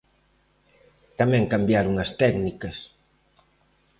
Tamén cambiaron as técnicas.